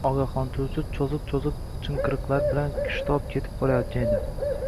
ogohlantiruvchi choʻziq-choʻziq chinqiriqlari bilan shitob ketib borayotgan edi.